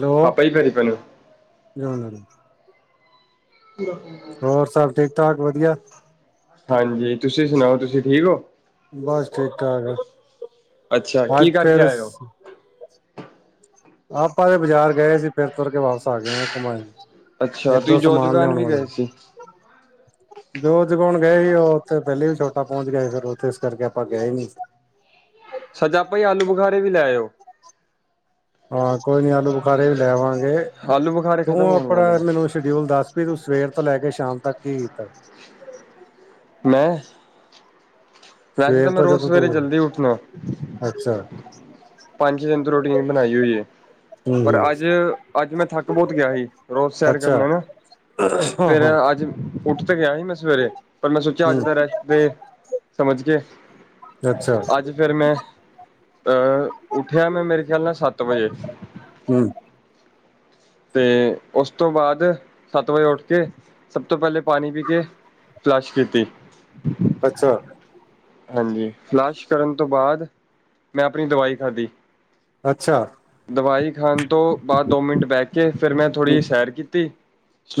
Hello ਪਾਪਾ ਜੀ ਭੈਰੀ ਪੈਨੂੰ ਬਰਾ [unintelligible] ਹੋਰ ਸਭ ਠੀਕ ਠਾਕ ਵਧੀਆ ਹਾਂਜੀ ਤੁਸੀਂ ਸੁਣਾਓ ਤੁਸੀਂ ਠੀਕ ਹੋ ਬਸ ਠੀਕ ਠਾਕ ਅੱਛਾ ਬਾਜ ਕੀ ਕਰਕੇ ਫੇਰ ਆਏ ਹੋ ਆਪਾਂ ਤੇ ਬਾਜ਼ਾਰ ਗਏ ਸੀ ਫਿਰ ਤੁਰ ਕੇ ਵਾਪਸ ਆ ਗਏ ਆ ਘਮਾਣ ਨੂੰ ਅੱਛਾ ਤੁਸੀਂ ਜੋਤ ਗਾਨ ਵੀ ਗਏ ਸੀ ਜੋ ਜਗਾਉਣ ਗਏ ਸੀ ਉਹ ਉੱਥੇ ਪਹਿਲੇ ਵੀ ਛੋਟਾ ਪਹੁੰਚ ਗਿਆ ਸੀ ਫੇਿਰ ਉੱਥੇ ਇਸ ਕਰਕੇ ਆਪਾਂ ਗਏ ਹੀ ਨ ਸਜਾ ਭਾਈ ਆਲੂ ਬੁਖਾਰੇ ਵੀ ਲੈ ਆਓ ਹਾਂ, ਕੋਈ ਨੀਂ ਆਲੂ ਬੁਖਾਰੇ ਵੀ ਲੈਵਾਂਗੇ, ਆਲੂ ਬੁਖਾਰੇ ਤੂੰ ਖਤਮ ਹੋਣ ਵਾਲੇ ਆਪਣਾ ਆ ਮੈਨੂੰ ਸ਼ ਸ਼ਡਿਊਲ ਦੱਸ ਵੀ ਤੂੰ ਸਵੇਰ ਤੋਂ ਲੈ ਕੇ ਸ਼ਾਮ ਤੱਕ ਕੀ ਕੀਤਾ। ਮੈਂ ਵੈਸੇ ਤਾਂ ਸਵੇਰ ਮੈਂ ਤੋਂ ਰੋਜ਼ ਜਦੋਂ ਸਵੇਰੇ ਤੂੰ ਜਲਦੀ ਉੱਠਣਾ ਅੱਛਾ [unintelligible] ਪੰਜ ਦਿਨ ਤੋਂ ਰੋਟੀਣ ਬਣਾਈ ਹੋਈ ਏ। ਹੂੰ ਪਰ ਹੂੰ ਅੱਜ, ਅੱਜ ਮੈਂ ਥੱਕ ਬਹੁਤ ਗਿਆ ਹੀ, ਰੋਜ਼ ਸੈਰ ਅੱਛਾ ਕਰਨਾ ਨਾਂ। [unintelligible] ਉੱਠ ਤੇ ਗਿਆ ਹੀ ਮੈਂ ਸਵੇਰੇ, ਪਰ ਮੈਂ ਸੋਚਿਆ ਅੱਜ ਹੂੰ ਦਾ ਰੈਸਟ ਤੇ ਸਮਝ ਕੇ, ਅੱਛਾ ਅੱਜ ਫਿਰ ਮੈਂ, ਅਹ ਉੱਠਿਆ ਮੈਂ ਮੇਰੇ ਖਿਆਲ ਨਾਲ ਸੱਤ ਵਜੇ ਹੂੰ ਤੇ ਉਸ ਤੋਂ ਬਾਅਦ ਸੱਤ ਵਜੇ ਉੱਠ ਕੇ, ਸਭ ਤੋਂ ਪਹਿਲੇ ਪਾਣੀ ਪੀ ਕੇ ਫਲਸ਼ ਕੀਤੀ। ਅੱਛਾ। ਹਾਂਜੀ, ਲਾਸ਼ ਕਰਨ ਤੋਂ ਬਾਅਦ ਮੈਂ ਆਪਣੀ ਦਵਾਈ ਖਾਧੀ। ਅੱਛਾ। ਦਵਾਈ ਖਾਣ ਤੋਂ ਬਾਅਦ ਦੋ ਮਿੰਟ ਬਹਿ ਕੇ, ਫਿਰ ਮੈਂ ਥੋੜ੍ਹੀ ਹੂੰ ਜਿਹੀ ਸੈਰ ਕੀਤੀ।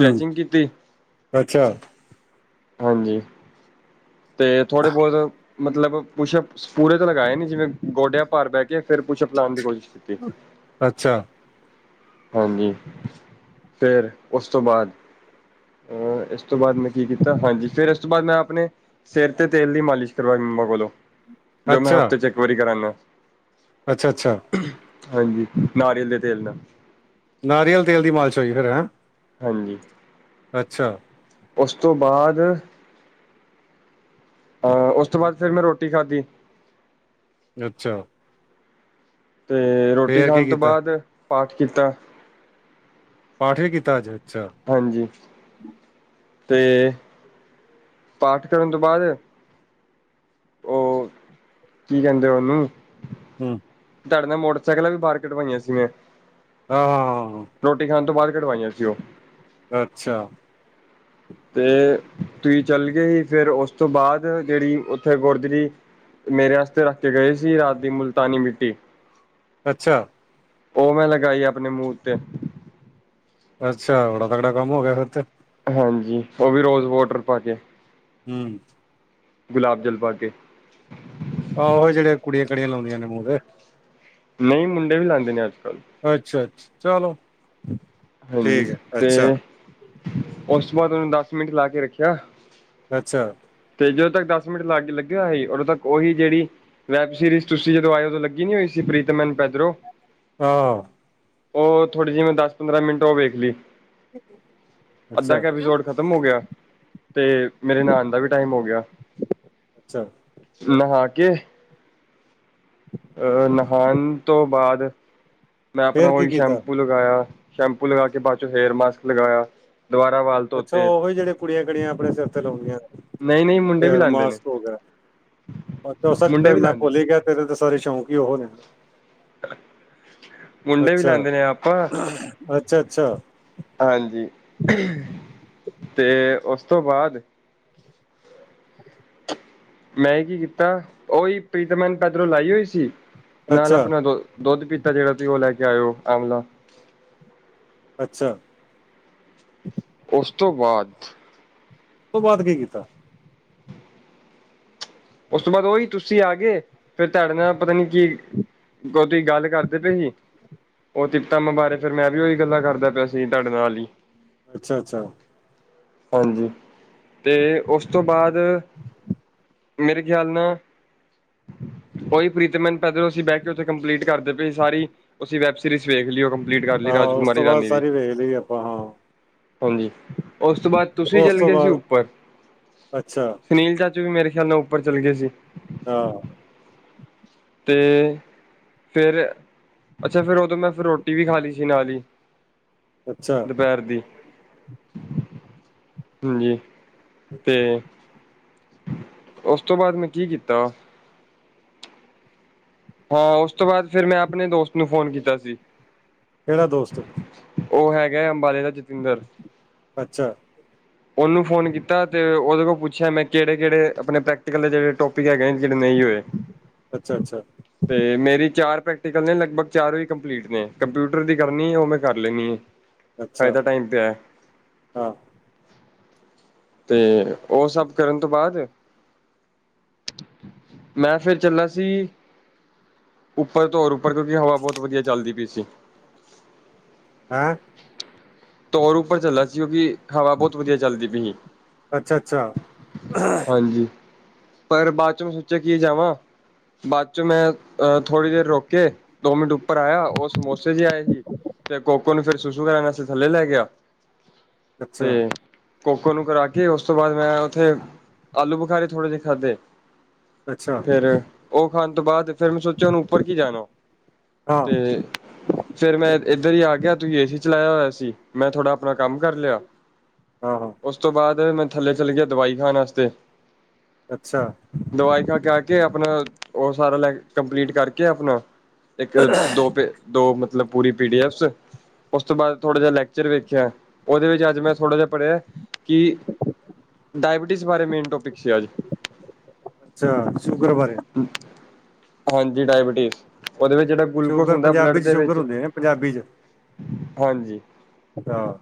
ਹੂੰ ਕੀਤੀ। ਅੱਛਾ। ਹਾਂਜੀ, ਤੇ ਥੋੜੇ ਬਹੁਤ ਮਤਲਬ ਪੁੱਸ਼ਅਪ ਪੂਰੇ ਤੇ ਲਗਾਏ ਨੀਂ, ਜਿਵੇਂ ਗੋਡਿਆਂ ਭਾਰ ਬਹਿ ਕੇ ਫਿਰ ਪੁਸ਼ਅਪ ਲਾਉਣ ਦੀ ਕੋਸ਼ਿਸ਼ ਕੀ ਅੱਛਾ। ਹਾਂਜੀ, ਫੇਿਰ ਉਸ ਤੋਂ ਬਾਅਦ ਅ ਇਸ ਤੋਂ ਬਾਅਦ ਮੈਂ ਕੀ ਕੀਤਾ, ਹਾਂਜੀ ਫੇਰ ਇਸ ਤੋਂ ਬਾਅਦ ਮੈਂ ਆਪਣੇ, ਸਿਰ ਤੇ ਤੇਲ ਦੀ ਮਾਲਿਸ਼ [unintelligible] ਬੋਲੋ ਜੋ ਮੈਂ ਅੱਛਾ ਹਫ਼ਤੇ ਚੈੱਕ ਵਾਰੀ ਕਰਾਂਗਾ। ਅੱਛਾ ਅੱਛਾ। [unintelligible] ਹਾਂਜੀ, ਨਾਰੀਅਲ ਦੇ ਤੇਲ ਨਾਂ। ਨਾਰੀਅਲ ਤੇਲ ਦੀ ਮਾਲਿਸ਼ ਹੋਈ ਫਿਰਰ ਹੈਂ? ਹਾਂਜੀ। ਅੱਛਾ। ਉਸ ਤੋਂ ਬਾਅਦ ਅਹ ਉਸ ਤੋਂ ਬਾਅਦ ਫੇਰ ਮੈਂ ਰੋਟੀ ਖਾਧੀ। ਅੱਛਾ। ਤੇ ਰੋਟੀ ਫੇਰ ਕੀ ਖਾਣ ਤੋਂ ਕੀਤਾ ਬਾਅਦ, ਪਾਠ ਕੀਤਾ। ਪਾਠ ਵੀ ਕੀਤਾ ਅਜ, ਅੱਛਾ। ਹਾਂਜੀ। ਤੇ ਪਾਠ ਕਰਨ ਤੋਂ ਬਾਅਦ ਉਹ ਕੀ ਕਹਿੰਦੇ ਉਹਨੂੰ? ਹਂ ਤੁਹਾਡੇ ਨਾਲ ਮੋਟਰਸਾਈਕਲਾਂ ਵੀ ਬਾਹਰ ਕਢਵਾਈਆਂ ਸੀ ਮੈਂ ਹਾਂਹਾਂ ਰੋਟੀ ਖਾਣ ਤੋਂ ਬਾਅਦ ਕਢਵਾਈਆਂ ਸੀ ਉਹ ਅੱਛਾ। ਤੇ ਤੁਸੀਂ ਚੱਲ ਗਏ ਹੀ ਫੇਰ ਉਸ ਤੋਂ ਬਾਅਦ, ਜਿਹੜੀ ਉੱਥੇ ਗੁਰਦੁਰੀ ਮੇਰੇ ਆਸਤੇ ਰੱਖ ਕੇ ਗਏ ਸੀ, ਰਾਤ ਦੀ ਮੁਲਤਾਨੀ ਮਿੱਟੀ। ਅੱਛਾ। ਉਹ ਮੈਂ ਲਗਾਈ ਆਪਣੇ ਮੂੰਹ ਉੱਤੇ ਅੱਛਾ, ਵੜਾ ਤਗੜਾ ਕੰਮ ਹੋ ਗਿਆ ਫਿਰ ਤੇ ਹਾਂਜੀ ਉਹ ਵੀ ਰੋਜ਼ ਵੋਟਰ ਪਾ ਕੇ ਹੁ ਗੁਲਾਬ ਜਲ ਪਾ ਕੇ ਆਹ ਉਹ ਜਿਹੜੇ ਕੁੜੀਆਂ ਕਾੜੀਆਂ ਲਾਉਂਦੀਆਂ ਨੇ ਮੂੰਹ ਦੇ ਨਹੀਂ ਮੁੰਡੇ ਵੀ ਲਾਂਦੇ ਨੇ ਅੱਜ ਕੱਲ੍ਹ ਅੱਛਾ ਅੱਛਾ, ਚਲੋ। ਹਾਂਜੀ, ਠੀਕ ਹੈ ਤੇ ਅੱਛਾ ਉਸ ਤੋਂ ਬਾਅਦ ਉਹਨੂੰ ਦਸ ਮਿੰਟ ਲਾ ਕੇ ਰੱਖਿਆ। ਅੱਛਾ ਤੇ ਜਦੋਂ ਤੱਕ ਦਸ ਮਿੰਟ ਲਾਗੇ ਲੱਗਿਆ ਸੀ ਉਦੋਂ ਤੱਕ ਉਹੀ ਜਿਹੜੀ ਵੈਬ ਸੀਰੀਜ਼ ਤੁਸੀਂ ਜਦੋਂ ਆਏ ਓਦੋਂ ਲੱਗੀ ਨੀ ਹੋਈ ਸੀ ਪ੍ਰੀਤਮੈਨ ਪੈਦਰੋਂ ਹਾਂ ੳਹ ਥੋੜੀ ਜਿਹੀ ਮੈਂ ਦਸ ਪੰਦਰਾਂ ਮਿੰਟ ਉਹ ਵੇਖ ਲਈ ਅੱਧਾ ਅੱਛਾ ਕ ਐਪੀਸੋਡ ਖਤਮ ਹੋ ਗਿਆ ਤੇ ਮੇਰੇ ਨਹਾਣ ਦਾ ਵੀ ਟਾਈਮ ਹੋ ਗਿਆ ਛਾ ਨਹਾ ਕੇ [inaudible] ਅ ਨਹਾਉਣ ਤੋਂ ਬਾਅਦ ਮੈਂ ਆਪਣਾ ਫੇਰ ਕੀ ੳਹੀ ਕੀਤਾ ਸ਼ੈਂਪੂ ਲਗਾਇਆ ਸ਼ੈਂਪੂ ਲਗਾ ਕੇ ਬਾਅਦ ਚੋਂ ਹੇਅਰ ਮਾਸਕ ਲਗਾਇਆ ਦੁਬਾਰਾ ਵਾਲ ਅੱਛਾ ਧੋਤੇ ਉਹੀ ਜਿਹੜੇ ਕੁੜੀਆਂ ਕੜੀਆਂ ਆਪਣੇ ਸਿਰ ਤੇ ਲਾਉਦੀਆਂ ਨਹੀਂ ਨਹੀਂ ਮੁੰਡੇ ਵੀ ਹੇਅਰ ਲਾਂਦੇ ਨੇ ਮਾਸਕ ਹੋ ਗਿਆ ਸ ਮੁੰਡੇ ਵੀ ਮੈਂ ਤੇ ਲਾਂਦੇ ਭੁੱਲ ਨੇ ਹੀ ਗਿਆ ਤੇਰੇ ਤਾਂ ਸਾਰੇ ਸ਼ੌਂਕ ਹੀ ਉਹੋ ਨੇ ਮੁੰਡੇ ਵੀ ਅੱਛਾ ਲਾਦੇ ਨੇ ਆਪਾਂ ਅੱਛਾ ਅੱਛਾ ਹਾਂਜੀ ਤੇ ਉਸ ਤੋਂ ਬਾਅਦ ਮੈਂ ਕੀ ਕੀਤਾ ਉਹੀ ਪ੍ਰੀਤਮੈਨ ਪੈਦਲੋਂ ਲਾਈ ਹੋਈ ਸੀ ਨਾਲ ਅੱਛਾ ਆਪਣਾ ਦੋ ਦੁੱਧ ਪੀਤਾ ਜਿਹੜਾ ਤੁਸੀਂ ਉਹ ਲੈ ਕੇ ਆਇਓ ਆਮਲਾ ਅੱਛਾ ਉਸ ਤੋਂ ਬਾਅਦ ਉਸ ਤੋਂ ਬਾਅਦ ਕੀ ਕੀਤਾ ਉਸ ਤੋਂ ਬਾਅਦ ਓਹੀ ਤੁਸੀਂ ਆ ਗਏ ਫੇਰ ਤੁਹਾਡੇ ਨਾਲ ਪਤਾ ਨੀ ਕੀ ੳਦੀ ਗੱਲ ਕਰਦੇ ਪਏ ਸੀ ਉਹ ਤਤਾਮ ਬਾਰੇ ਫਿਰ ਮੈਂ ਵੀ ਉਹੀ ਗੱਲਾਂ ਕਰਦਾ ਪਿਆ ਸੀ ਤੁਹਾਡੇ ਨਾਲ ਹੀ [unintelligible] ਅੱਛਾ ਅੱਛਾ ਹਾਂਜੀ ਤੇ ਉਸ ਤੋਂ ਬਾਅਦ ਮੇਰੇ ਖਿਆਲ ਨਾਲ ਉਹੀ ਪ੍ਰੀਤਮੈਨ ਪੈਦਲ ਅਸੀਂ ਬਹਿ ਕੇ ਉੱਥੇ ਕੰਪਲੀਟ ਕਰਦੇ ਪਏ ਸੀ ਸਾਰੀ ਉਸੀਂ ਵੈਬ ਸੀਰੀਜ਼ ਵੇਖ ਲਈ ਉਹ ਕੰਪਲੀਟ ਕਰ ਲਈ ਹਾਂ ਉਸ ਤੋਂ ਰਾਜਕੁਮਾਰੀ ਬਾਅਦ ਰਾਨੀ ਦੀ ਸਾਰੀ ਵੇਖ ਲਈ ਆਪਾਂ ਹਾਂ ਹਾਂਜੀ ਉਸ ਤੋਂ ਬਾਅਦ ਤੁਸੀਂ ਉਸ ਚੱਲ ਤੋਂ ਗਏ ਸੀ ਬਾਅਦ ਉੱਪਰ ਅੱਛਾ ਸੁਨੀਲ ਦਾ ਤੁਸੀਂ ਵੀ ਮੇਰੇ ਖਿਆਲ ਨਾਲ ਉੱਪਰ ਚੱਲ ਗਏ ਸੀ ਹਾ ਤੇ ਫੇਰ ਅੱਛਾ ਫੇਰ ਉਦੋਂ ਮੈਂ ਫਿਰ ਰੋਟੀ ਵੀ ਖਾ ਲਈ ਸੀ ਨਾਲ ਹੀ ਅੱਛਾ ਦੁਪਹਿਰ ਦੀ ਹਾਂਜੀ ਤੇ ਉਸ ਤੋਂ ਬਾਅਦ ਮੈਂ ਕੀ ਕੀਤਾ ਹਾਂ ਉਸ ਤੋਂ ਬਾਅਦ ਫੇਰ ਮੈਂ ਆਪਨੇ ਦੋਸਤ ਨੂੰ ਫੋਨ ਕੀਤਾ ਸੀ ਕਿਹੜਾ ਦੋਸਤ ਉਹ ਹੈਗਾ ਅੰਬਾਲੇ ਦਾ ਜਤਿੰਦਰ ਅੱਛਾ ਹ [inaudible] ਉਹਨੂੰ ਫੋਨ ਕੀਤਾ ਤੇ ਉਹਦੇ ਕੋਲ ਪੁੱਛਿਆ ਮੈਂ ਕਿਹੜੇ ਕਿਹੜੇ ਆਪਣੇ ਪ੍ਰੈਕਟੀਕਲ ਦੇ ਜਿਹੜੇ ਟੋਪਿਕ ਹੈਗੇ ਨੇ ਜਿਹੜੇ ਨਹੀਂ ਹੋਏ ਅੱਛਾ ਅੱਛਾ ਤੇ ਮੇਰੀ ਚਾਰ ਪ੍ਰੈਕਟੀਕਲ ਨੇ, ਲਗਭਗ ਚਾਰੋ ਹੀ ਕੰਪਲੀਟ ਨੇ, ਕੰਪਿਊਟਰ ਦੀ ਕਰਨੀ ਹੈ, ਉਹ ਮੈਂ ਕਰ ਲੈਂਦੀ ਹੈ। ਅੱਛਾ ਫਾਇਦਾ ਟਾਈਮ ਤੇ ਹੈ ਹਾਂ ਤੇ ਉਹ ਸਭ ਕਰਨ ਤੋਂ ਬਾਅਦ ਮੈਂ ਫਿਰ, ਚੱਲਣਾ ਸੀ ਉੱਪਰ ਤੋਂ ਹੋਰ ਉੱਪਰ, ਕਿਉਂਕਿ ਹਵਾ ਬਹੁਤ ਵਧੀਆ ਚੱਲਦੀ ਪਈ ਸੀ। ਹੈਂ ਧੁਰ ਉੱਪਰ ਚੱਲਦਾ ਸੀ, ਕਿਉਂਕਿ ਹਵਾ ਬਹੁਤ ਵਧੀਆ ਚੱਲਦੀ ਪਈ ਐ। ਹ [unintelligible] ਪਰ ਬਾਦ ਮੈਂ ਸੋਚਿਆ, ਕੀ ਜਾਵਾਂ ਬਾਅਦ ਚ ਮੈਂ ਥੋੜ੍ਹੀ ਦੇਰ ਰੁਕ ਕੇ, ਦੋ ਮਿੰਟ ਉੱਪਰ ਆਇਆ, ਉਹ ਸਮੋਸੇ ਜ ਆਏ ਸੀ ਤੇ ਕੋਕੋ ਨੂੰ ਫਿਰ ਸੁਸ਼ੂ ਕਰਨ ਵਾਸਤੇ ਥੱਲੇ ਲੈ ਗਿਆ, ਅੱਛਾ ਤੇ ਕੋਕੋ ਨੂੰ ਕਰਾ ਕੇ, ਉਸ ਤੋਂ ਬਾਅਦ ਮੈਂ ਉੱਥੇ ਆਲੂ ਬੁਖਾਰੇ ਥੋੜੇ ਜਿਹੇ ਖਾਧੇ। ਅੱਛਾ ਫਿਰ ਉਹ ਖਾਣ ਤੋਂ ਬਾਅਦ, ਫਿਰ ਮੈਂ ਸੋਚਿਆ ਹੁਣ ਉੱਪਰ ਕੀ ਜਾਣਾ। ਹਾਂ ਤੇ ਫਿਰ ਮੈਂ ਇੱਧਰ ਹੀ ਆ ਗਿਆ, ਤੁਸੀਂ ਏ ਸੀ ਚਲਾਇਆ ਹੋਇਆ ਸੀ, ਮੈਂ ਥੋੜ੍ਹਾ ਆਪਣਾ ਕੰਮ ਕਰ ਲਿਆ। ਹ [unintelligible] ਹਾਂ ਹਾਂ ਉਸ ਤੋਂ ਬਾਅਦ, ਮੈਂ ਥੱਲੇ ਚਲੀ ਗਿਆ ਦਵਾਈ ਖਾਣ ਵਾਸਤੇ। ਅੱਛਾ ਦਵਾਈ ਖਾ ਕੇ, ਆ ਕੇ, ਆਪਣਾ ਉਹ ਸਾਰਾ ਲੈ ਕੰਪਲੀਟ ਕਰਕੇ ਆਪਣਾ ਇੱਕ ਦੋ, ਦੋ ਮਤਲਬ ਪੂਰੀ ਪੀ ਡੀ ਐਫਸ ਉਸ ਤੋਂ ਬਾਅਦ ਥੋੜ੍ਹਾ ਜਿਹਾ ਲੈਕਚਰ ਵੇਖਿਆ, ਉਹਦੇ ਵਿੱਚ ਅੱਜ ਮੈਂ ਥੋੜ੍ਹਾ ਜਿਹਾ ਪੜ੍ਹਿਆ, ਕਿ ਡਾਇਬਟੀਜ਼ ਬਾਰੇ ਮੇਨ ਟੋਪਿਕ ਸੀ, ਅੱਜ ਅੱਛਾ ਸ਼ੂਗਰ ਬਾਰੇ ਹਾਂਜੀ ਡਾਇਬਟੀਜ਼, ਉਹਦੇ ਵਿੱਚ ਜਿਹੜੇ ਗਲੂਕੋਸ ਸ਼ੂਗਰ ਹੁੰਦਾ, ਬਲਡ ਪੰਜਾਬੀ ਚ ਦੇ ਸ਼ੂਗਰ ਵਿੱਚ, ਹੁੰਦੇ ਨੇ ਪੰਜਾਬੀ ਚ ਹਾਂਜੀ। ਹਾਂ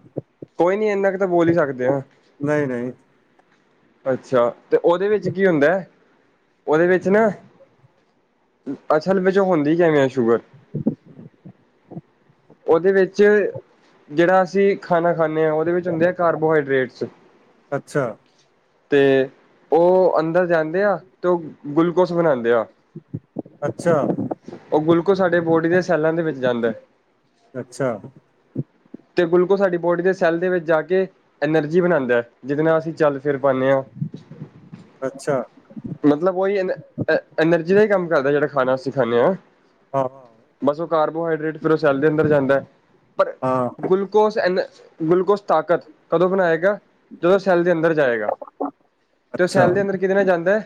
ਕੋਈ ਨੀ, ਇੰਨਾ ਕੁ ਤਾਂ ਬੋਲ ਹੀ ਸਕਦੇ ਆਂ। ਨਹੀਂ ਨਹੀਂ ਅੱਛਾ, ਤੇ ਉਹਦੇ ਵਿੱਚ ਕੀ ਹੁੰਦਾ ਹੈ, ਉਹਦੇ ਵਿੱਚ ਨਾ ਅਸਲ ਵਿੱਚ ਹੁੰਦੀ ਕਿਵੇਂ ਆ, ਸ਼ੂਗਰ। ਉਹਦੇ ਵਿੱਚ ਜਿਹੜਾ ਅਸੀਂ ਖਾਣਾ ਖਾਂਦੇ ਹਾਂ, ਉਹਦੇ ਵਿੱਚ ਹੁੰਦੇ ਆ ਕਾਰਬੋਹਾਈਡਰੇੇਟਸ ਅੱਛਾ ਤੇ ਉਹ ਅੰਦਰ ਜਾਂਦੇ ਆ, ਤੇ ਉਹ ਗਲੂਕੋਸ ਬਣਾਉਂਦੇ ਆ ਅੱਛਾ ਉਹ ਗਲੂਕੋਸ ਸਾਡੇ ਬੋਡੀ ਦੇ ਸੈੱਲਾਂ ਦੇ ਵਿੱਚ, ਜਾਂਦਾ ਹੈ। ਅੱਛਾ ਹ [unintelligible] ਤੇ ਗਲੂਕੋਸ ਸਾਡੀ ਬੋਡੀ ਦੇ ਸੈੱਲ ਦੇ ਵਿੱਚ ਜਾ ਕੇ, ਐਨਰਜੀ ਬਣਾਉਂਦਾ ਹੈ, ਜਿਹਦੇ ਨਾਲ ਅਸੀਂ ਚੱਲ ਫਿਰ ਪਾਉਦੇ ਹਾਂ, ਅੱਛਾ ਮਤਲਬ ਉਹੀ ਹੈ ਨਾ ਐਨਰਜੀ ਦਾ ਹੀ ਕੰਮ ਕਰਦਾ, ਜਿਹੜਾ ਖਾਣਾ ਅਸੀਂ ਖਾਂਦੇ ਹਾਂ। ਹਾਂ ਬਸ ਉਹ ਕਾਰਬੋਹਾਈਡਰੇਟ, ਫਿਰ ਔ ਸੈਲ ਦੇ ਅੰਦਰ ਜਾਂਦਾ ਹੈ, ਪਰ ਹਾਂ ਗਲੂਕੋਸ ਐ, ਗਲੂਕੋਸ ਤਾਕਤ ਕਦੋਂ ਬਣਾਏਗਾ, ਜਦੋਂ ਸੈੱਲ ਦੇ ਅੰਦਰ ਜਾਏਗਾ, ਤੇ ਉਹ ਅੱਛਾ ਸੈੱਲ ਦੇ ਅੰਦਰ ਕਿਦੇ ਨਾਲ ਜਾਂਦਾ,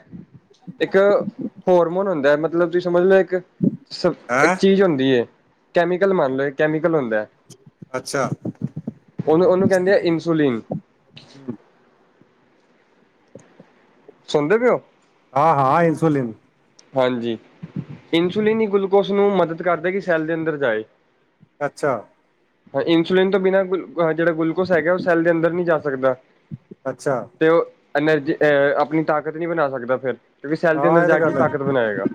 ਇੱਕ ਹੋਰਮੋਨ ਹੁੰਦਾ, ਮਤਲਬ ਤੁਸੀਂ ਸਮਝ ਲਓ ਇੱਕ ਸ ਹੈਂ ਇੱਕ ਚੀਜ਼ ਹੁੰਦੀ ਹੈ, ਕੈਮੀਕਲ ਮੰਨ ਲਓ, ਇਕ ਕੈਮੀਕਲ ਹੁੰਦਾ ਅੱਛਾ ਉਹਨੂੰ ਉਹਨੂੰ ਕਹਿੰਦੇ ਐ, ਇਨਸੁਲੀਨ ਹਮ ਸੁਣਦੇ ਪਏ ਓ। ਹਾਂ -ਹਾਂ ਇਨਸੁਲੀਨ ਹਾਂਜੀ ਇਨਸੁਲਿਨ ਹੀ ਗਲੂਕੋਸ ਨੂੰ ਮਦਦ ਕਰਦਾ ਕਿ ਸੈੱਲ ਦੇ ਅੰਦਰ ਜਾਏ। ਅੱਛਾ ਇੰਸੁਲਿਨ ਤੋਂ ਬਿਨਾਂ ਗ ਜਿਹੜਾ ਗੁਲੂਕੋਸ ਹੈਗਾ ਉਹ ਸੈੱਲ ਦੇ ਅੰਦਰ ਨਹੀਂ ਜਾ ਸਕਦਾ। ਅੱਛਾ ਤੇ ਉਹ ਐਨਰਜੀ ਅਹ ਆਪਣੀ ਤਾਕਤ ਨਹੀਂ ਬਣਾ ਸਕਦਾ ਫਿਰ ਕਿਉਂਕਿ ਸੈੱਲ ਦੇ ਹਾਂ ਅੰਦਰ ਜਾ ਕੇ ਤਾਕਤ ਬਣਾਏਗਾ।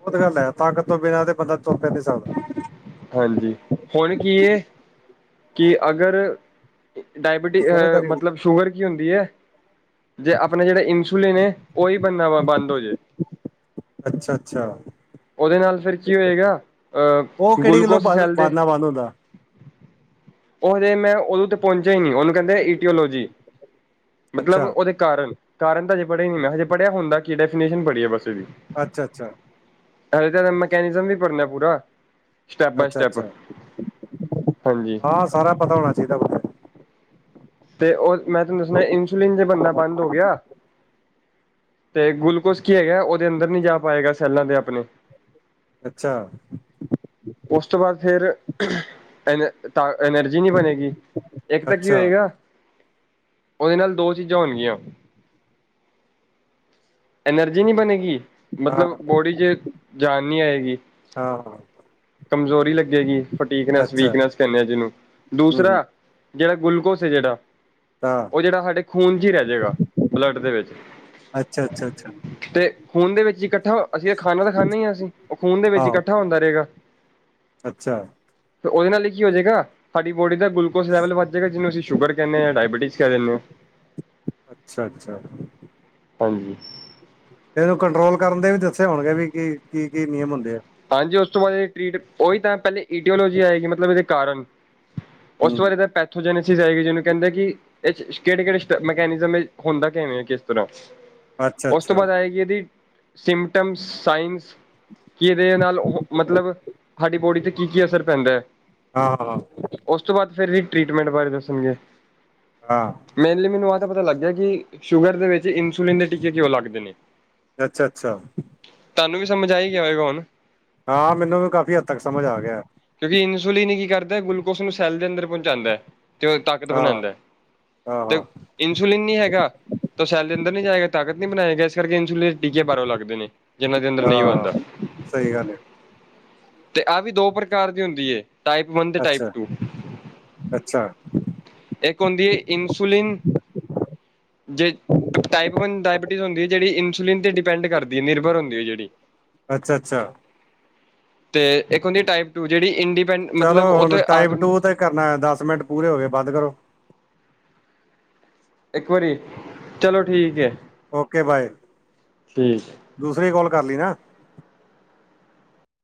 ਬਹੁਤ ਗੱਲ ਹੈ ਤਾਕਤ ਤੋਂ ਬਿਨਾਂ ਤੇ ਬੰਦਾ ਤੁਰ ਫਿਰ ਨੀ ਸਕਦਾ। ਹਾਂਜੀ ਹੁਣ ਕੀ ਏ। ਕਿ ਅਗਰ ਡਾਇਬੀਟੀਜ਼ ਸਮਝਦਾਰੀ ਵਾਲੀ ਮਤਲਬ ਸ਼ੂਗਰ ਕੀ ਹੁੰਦੀ ਹੈ। ਜੇ ਆਪਣੇ ਜਿਹੜੇ ਇਨਸੁਲਿਨ ਉਹੀ ਬਣਨਾ ਵ ਬੰਦ ਹੋ ਜੇ ਗੱਲ ਅੱਛਾ ਅੱਛਾ ਉਹਦੇ ਨਾਲ ਫਿਰ ਕੀ ਹੋਏਗਾ ਉਹ ਅਹ ਕਿਹੜੀ ਗੱਲੋਂ ਗਲੂਕੋਸ ਬੰ ਸੈੱਲ ਦੇ ਬੰਦ ਬਣਨਾ ਹੁੰਦਾ। ਉਹਦੇ ਮੈਂ ਉਹਦੋਂ ਤੇ ਪਹੁੰਚਿਆ ਹੀ ਨਹੀਂ ਉਹਨੂੰ ਕਹਿੰਦੇ ਈਟੀਓਲੋਜੀ ਮਤਲਬ ਅੱਛਾ ਉਹਦੇ ਕਾਰਨ -ਕਾਰਨ ਤਾਂ ਹਜੇ ਪੜਿਆ ਨੀ ਮੈਂ ਹਜੇ ਪੜ੍ਹਿਆ ਹੁੰਦਾ ਕੀ ਡੈਫੀਨੇਸ਼ਨ ਪੜ੍ਹੀ ਹੈ ਬਸ ਵੀ- [inaudible] ਅੱਛਾ- ਅੱਛਾ ਹਜੇ ਤਾਂ ਮਕੈਨਿਜ਼ਮ ਵੀ ਭਰਨਾ ਪੂਰਾ ਸਟੈਪ ਬਾਏ ਅੱਛਾ ਸਟੈਪ ਅੱਛਾ ਹਾਂਜੀ। ਹਾਂ ਸਾਰਾ ਪਤਾ ਹੋਣਾ ਚਾਹੀਦਾ ਵ। ਤੇ ਉਹ ਮੈਂ ਤੁਹਾਨੂੰ ਦੱਸਣਾ ਇਨਸੁਲਿਨ ਜੇ ਬਣਨਾ ਬੰਦ ਹੋ ਗਿਆ। ਤੇ ਗਲੂਕੋਸ ਕੀ ਹੈਗਾ ਉਹਦੇ ਅੰਦਰ ਨੀ ਜਾ ਪਾਏਗਾ ਸੈਲਾਂ ਦੇ ਆਪਣੇ ਅੱਛਾ ਉਸ ਤੋਂ ਬਾਅਦ ਫਿਰ ਐਨ ਤ ਐਨਰਜੀ ਨਹੀਂ ਬਣੇਗੀ ਇੱਕ ਤਾਂ ਕੀ ਅੱਛਾ ਹੋਏਗਾ। ਉਹਦੇ ਨਾਲ ਦੋ ਚੀਜ਼ਾਂ ਹੋਣਗੀਆਂ। ਐਨਰਜੀ ਨਹੀਂ ਬਣੇਗੀ ਹਾਂ ਮਤਲਬ ਬੋਡੀ 'ਚ ਜਾਨ ਨਹੀਂ ਆਏਗੀ। ਹਾਂ ਕਮਜ਼ੋਰੀ ਲੱਗੇਗੀ ਫਟੀਕਨੈਸ ਅੱਛਾ ਵੀਕਨੈਸ ਕਹਿੰਦੇ ਆ ਜਿਹਨੂੰ ਹੂੰ ਹੂੰ ਦੂਸਰਾ ਜਿਹੜਾ ਗਲੂਕੋਸ ਹੈ ਜਿਹੜਾ ਹਾਂ ਉਹ ਜਿਹੜਾ ਸਾਡੇ ਖੂਨ 'ਚ ਹੀ ਰਹਿ ਜਾਏਗਾ ਬਲੱਡ ਦੇ ਵਿੱਚ ਅੱਛਾ- ਅੱਛਾ ਤੇ ਖੂਨ ਦੇ ਵਿੱਚ ਹੀ ਇਕੱਠਾ ਅਸੀਂ ਤਾਂ ਖਾਣਾ ਤਾਂ ਖਾਂਦੇ ਹੀ ਅਸੀਂ ਉਹ ਖੂਨ ਦੇ ਵਿੱਚ ਆਹੋ ਇਕੱਠਾ ਹੁੰਦਾ ਰਹੇਗਾ। ਅੱਛਾ ਤੇ ਉਹਦੇ ਨਾਲ ਹੀ ਕੀ ਹੋ ਜਾਏਗਾ ਸਾਡੀ ਬੋਡੀ ਦਾ ਗਲੂਕੋਸ ਲੈਵਲ ਵੱਧ ਜਾਏਗਾ ਜਿਹਨੂੰ ਅਸੀਂ ਸ਼ੂਗਰ ਕਹਿੰਦੇ ਹਾਂ ਡਾਇਬਟੀਸ ਕਹਿ ਦਿੰਦੇ ਆਂ। ਅੱਛਾ -ਅੱਛਾ ਹਾਂਜੀ ਤੇ ਇਹਨੂੰ ਕੰਟਰੋਲ ਕਰਨ ਦੇ ਵੀ ਦੱਸੇ ਹੋਣਗੇ ਵੀ ਕੀ- ਕੀ- ਕੀ ਨਿਯਮ ਹੁੰਦੇ ਆ। ਹਾਂਜੀ ਉਸ ਤੋਂ ਬਾਅਦ ਇਹ ਟਰੀਟ ਉਹੀ ਤਾਂ ਪਹਿਲੇ ਈਡੀਓਲੋਜੀ ਆਏਗੀ ਮਤਲਬ ਇਹਦੇ ਕਾਰਨ ਉਸ ਹੂੰ ਤੋਂ ਬਾਦ ਪੈਥੋਜੈਨਸਿਸ ਆਏਗੀ ਜਿਹਨੂੰ ਕਹਿੰਦੇ ਕਿ ਇਹ ਕਿਹੜੇ -ਕਿਹੜੇ ਮਕੈਨਿਜ਼ਮ ਹੁੰਦਾ ਕਿਵੇਂ ਕਿਸ ਤਰ੍ਹਾਂ ਅੱਛਾ ਉਸ ਤੋਂ ਅੱਛਾ ਬਾਅਦ ਆਏਗੀ ਇਹਦੀ ਸਿੰਮਟਮਸ ਸਾਇੰਸ ਕਿ ਇਹਦੇ ਨਾਲ ਮਤਲਬ ਸਾਡੀ ਬੋਡੀ ਤੇ ਕੀ ਕੀ ਅਸਰ ਪੈਂਦਾ। ਹਾਂ- ਹਾਂ ਉਸ ਤੋਂ ਬਾਅਦ ਫਿਰ ਵੀ ਟਰੀਟਮੈਂਟ ਬਾਰੇ ਦੱਸਣਗੇ। ਹਾਂ ਮੇਨਲੀ ਮੈਨੂੰ ਆਹ ਤਾਂ ਪਤਾ ਲੱਗ ਗਿਆ ਕਿ ਸ਼ੂਗਰ ਦੇ ਵਿੱਚ ਇਨਸੁਲਿਨ ਦੇ ਟੀਕੇ ਕਿਉ ਲੱਗਦੇ ਨੇ। ਅੱਛਾ ਅੱਛਾ ਤੁਹਾਨੂੰ ਵੀ ਸਮਝ ਆਈ ਗਿਆ ਹੋਵੇਗਾ ਹੁਣ ਹਾਂ ਮੈਨੂੰ ਵੀ ਕਾਫ਼ੀ ਹੱਦ ਤੱਕ ਸਮਝ ਆ ਗਿਆ। ਕਿਉਂਕਿ ਇਨਸੁਲਿਨ ਹੀ ਕੀ ਕਰਦਾ ਗਲੂਕੋਸ ਨੂੰ ਸੈਲ ਦੇ ਅੰਦਰ ਪਹੁੰਚਾਂਦਾ। ਤੇ ਉਹ ਤਾਕਤ ਹਾਂ ਬਣਾਂਦਾ ਹਾਂ ਤੇ ਹਾਂ ਇੰਸੁਲਿਨ ਨਹੀਂ ਹੈਗਾ ਤਾਂ ਸੈਲ ਦੇ ਅੰਦਰ ਨ ਨਹੀਂ ਜਾਏਗਾ ਤਾਕਤ ਨੀ ਬਣਾਏਗਾ ਇਸ ਕਰਕੇ ਇਨਸੁਲੀਨ ਟੀਕੇ ਬਾਹੋਂ ਲੱਗਦੇ ਨੇ ਜਿਹਨਾਂ ਦੇ ਅੰਦਰ ਨਹੀ ਬਣਦਾ। ਹਾਂ ਸਹੀ ਗੱਲ ਏ। ਤੇ ਆਹ ਵੀ ਦੋ ਪ੍ਰਕਾਰ ਦੀ ਹੁੰਦੀ ਹੈ ਟਾਈਪ ਵਨ ਤੇ ਟਾਈਪ ਅੱਛਾ ਟੂ। ਅੱਛਾ ਇਕ ਹੋਂਦੀ ਏ ਇਨਸੂਲੀਨ ਜੇ ਟਾਈਪ ਵਨ ਡਾਇਬਟੀ ਹੁੰਦੀ ਹੈ ਜਿਹੜੀ ਇਨਸੂਲਿਨ ਤੇ ਡਿਪੈਂਡ ਕਰਦੀ ਹੈ ਨਿਰਭਰ ਹੁੰਦੀ ਹੈ ਜਿਹੜੀ। ਅੱਛਾ-ਅੱਛਾ ਤੇ ਇੱਕ ਹੁੰਦੀ ਏ ਟਾਈਪ ਟੂ ਜਿਹੜੀ ਇੰਡੀ ਚਲੋ ਹੁਣ ਟਾਈਪ ਟੂ ਤੇ ਕਰਨਾ ਦਸ ਮਿੰਟ ਪੂਰੇ ਹੋ ਗਏ ਬੰਦ ਕਰੋ। ਇੱਕ ਵਾਰੀ, ਚਲੋ ਠੀਕ ਹੈ। ਓਕੇ ਬਾਏ, ਠੀਕ ਹੈ ਦੂਸਰੀ ਕੋਲ ਕਰ ਲੀ ਨਾ।